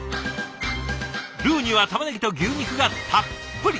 ルーにはたまねぎと牛肉がたっぷり！